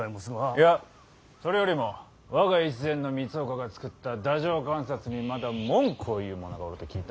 いやそれよりも我が越前の三岡が作った太政官札にまだ文句を言うものがおると聞いた。